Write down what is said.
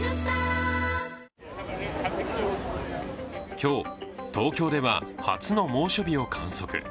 今日、東京では初の猛暑日を観測